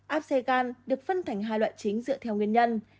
áp xe gan được phân thành hai loại chính dựa theo nguyên nhân